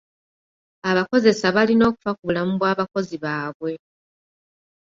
Abakoseza balina okufa ku bulamu bw'abakozi baabwe.